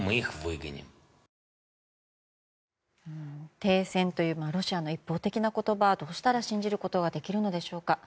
停戦というロシアの一方的な言葉どうしたら信じることができるのでしょうか。